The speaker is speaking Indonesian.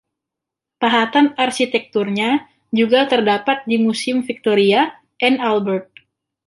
Pahatan arsitekturnya juga terdapat di Museum Victoria and Albert.